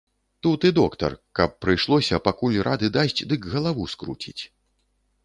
Тут і доктар, каб прыйшлося, пакуль рады дасць, дык галаву скруціць.